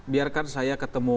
biarkan saya ketemu